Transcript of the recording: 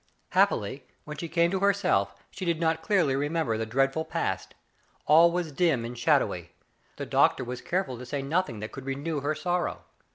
Happily, when she came to herself, she did not clearly remember the dreadful past. All was dim and shadowy. The doctor was careful to say nothing that could renew her sorrow.